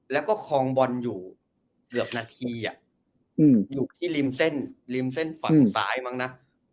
แล้วก็คองบรรย์อยู่เกือบนาทีอยู่ที่ริมเส้นฝั่งซ้ายไหมหน่ะ